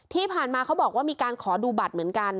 ที่ผ่านมาเขาบอกว่ามีการขอดูบัตรเหมือนกัน